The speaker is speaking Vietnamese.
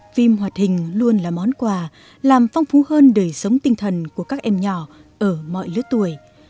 phim hoạt hình luôn là món quà làm phong phú hơn đời sống tinh thần của các em nhỏ ở mọi lứa tuổi